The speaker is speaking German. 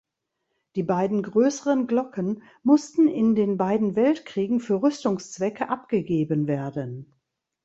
Die beiden größeren Glocken mussten in den beiden Weltkriegen für Rüstungszwecke abgegeben werden.